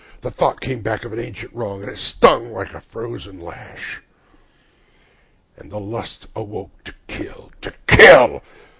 The thought came back of an ancient wrong, and it stung like a frozen lash, And the lust awoke to kill, to kill...